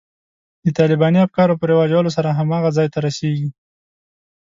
د طالباني افکارو په رواجولو سره هماغه ځای ته رسېږي.